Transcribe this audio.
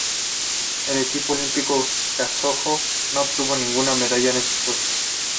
El equipo olímpico kazajo no obtuvo ninguna medalla en estos Juegos.